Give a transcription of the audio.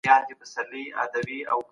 تدريس د زده کړي لار ده.